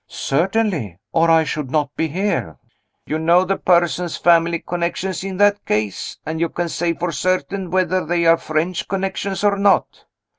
"Certainly, or I should not be here." "You know the person's family connections, in that case? and you can say for certain whether they are French connections or not?"